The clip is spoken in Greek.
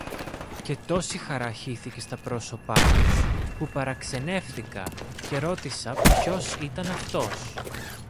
Και τόση χαρά χύθηκε στα πρόσωπα τους, που παραξενεύθηκα και ρώτησα ποιος ήταν αυτός.